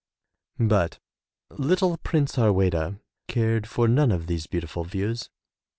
But little Prince Harweda cared for none of these beautiful views.